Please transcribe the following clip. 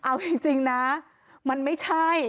เอาจริงนะมันไม่ใช่